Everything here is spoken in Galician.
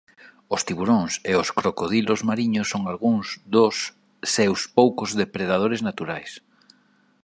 Os tiburóns e os crocodilos mariños son algúns dos seus poucos depredadores naturais.